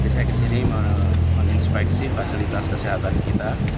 saya ke sini meninspeksi fasilitas kesehatan kita